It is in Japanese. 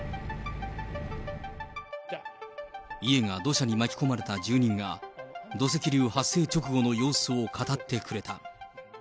家が土砂に巻き込まれた住人が、土石流発生直後の様子を語ってくれた。